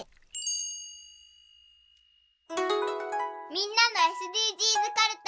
みんなのＳＤＧｓかるた。